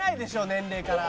年齢から。